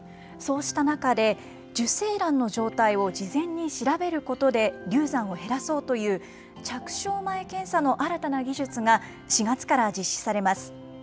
そうした中で、受精卵の状態を事前に調べることで流産を減らそうという着床前検査の新たな技術が４月から実施されます。